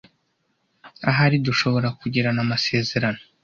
Ahari dushobora kugirana amasezerano.